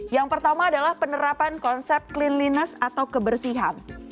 yang pertama adalah penerapan konsep cleanliness atau kebersihan